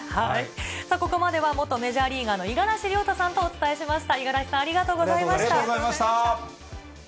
ここまでは元メジャーリーガーの五十嵐亮太さんとお伝えしました。